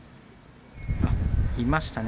いましたね。